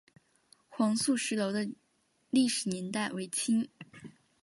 黄素石楼的历史年代为清。